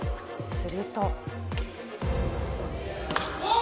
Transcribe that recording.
すると。